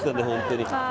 本当に。